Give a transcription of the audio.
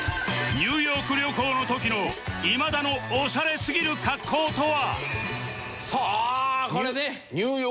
ニューヨーク旅行の時のオシャレすぎる格好とは？